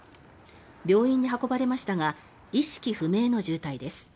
病院に運ばれましたが意識不明の重体です。